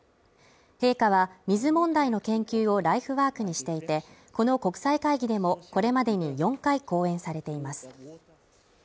陛下は水問題の研究をライフワークにしていてこの国際会議でもこれまでに４回講演されています。